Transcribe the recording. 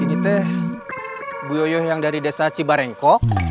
ini tuh bu yoyong yang dari desa cibarengkok